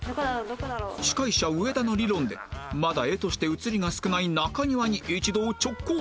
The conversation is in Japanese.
司会者上田の理論でまだ画として映りが少ない中庭に一同直行！